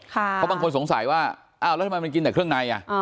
เพราะบางคนสงสัยว่าอ้าวแล้วทำไมมันกินแต่เครื่องใน